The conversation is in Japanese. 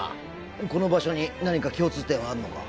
この場所に何か共通点はあるのか？